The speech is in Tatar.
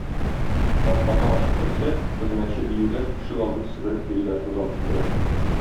Капканы ачып керсә, хезмәтче диюләр ишек алдын себереп йөриләр тузан туздырып.